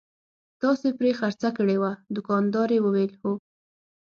تاسې پرې خرڅه کړې وه؟ دوکاندارې وویل: هو.